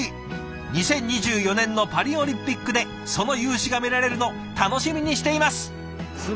２０２４年のパリオリンピックでその雄姿が見られるの楽しみにしています。